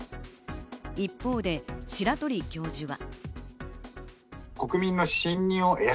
一方で白鳥教授は。